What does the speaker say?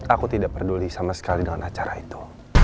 aku tidak peduli sama sekali dalam acara itu